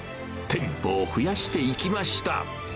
店舗を増やしていきました。